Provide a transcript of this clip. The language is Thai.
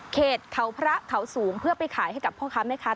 เขตเขาพระเขาสูงเพื่อไปขายให้กับพ่อค้าแม่ค้า